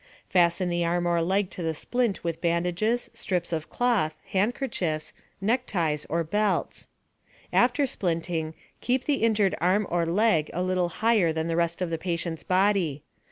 Fasten the arm or leg to the splint with bandages, strips of cloth, handkerchiefs, neckties, or belts. After splinting, keep the injured arm or leg a little higher than the rest of the patient's body.